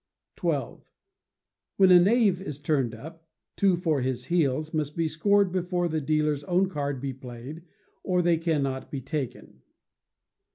xii. When a knave is turned up, "two for his heels" must be scored before the dealer's own card be played, or they cannot be taken.